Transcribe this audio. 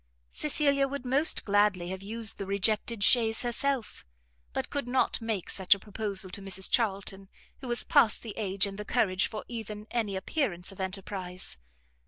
Cecilia would most gladly have used the rejected chaise herself, but could not make such a proposal to Mrs Charlton, who was past the age and the courage for even any appearance of enterprize.